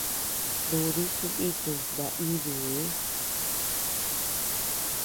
Dudi jiníkuy naídii.